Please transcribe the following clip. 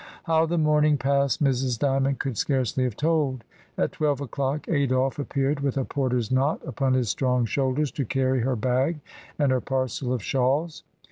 How the morning passed Mrs, Dymond could scarcely have told; at twelve o'clock Adolphe appeared with a porter's knot upon his strong shoulders to carry her bag and her parcel of shawls.